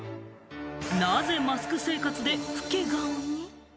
なぜマスク生活で老け顔に？